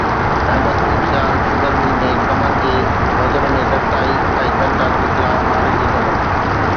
احمد پور Sial sugar mill ۾ ڪمند جي وزن ۾ گهٽتائي ۽ گهٽ اگهه خلاف هارين جو ڌرڻو